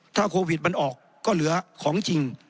ถ้าโควิดมันออกก็เหลือของจริง